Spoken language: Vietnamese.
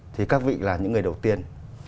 thì các vị là những người đầu tiên